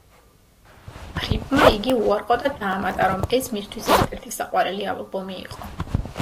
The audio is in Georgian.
ფრიპმა იგი უარყო და დაამატა, რომ ეს მისთვის ერთ-ერთი საყვარელი ალბომი იყო.